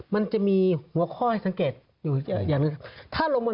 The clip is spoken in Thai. มันจะมีหัวข้อให้สังเกตอยู่อย่างหนึ่ง